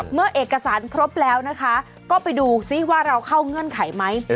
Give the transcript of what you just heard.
เมื่อเอกสารครบแล้วนะคะก็ไปดูซิว่าเราเข้าเงื่อนไขไหม